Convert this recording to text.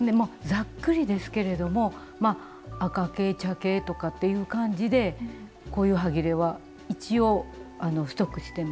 ざっくりですけれどもまあ赤系茶系とかっていう感じでこういうはぎれは一応ストックしてます。